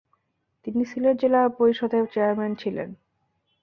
তিনি সিলেট জেলা পরিষদের চেয়ারম্যান ছিলেন।